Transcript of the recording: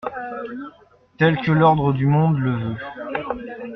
tel que l'ordre du monde le veut.